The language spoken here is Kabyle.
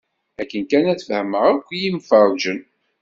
Akken kan ad fehmen akk yimferǧen.